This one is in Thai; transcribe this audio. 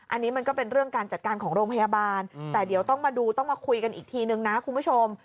อันนี้มันก็เป็นเรื่องการจัดการของโรงพยาบาลแต่เดี๋ยวต้องมาดูต้องมาคุยกันอีกทีนึงนะคุณผู้ชม